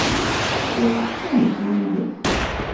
Anda ay tekka anebdu-nnes?